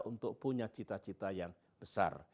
untuk punya cita cita yang besar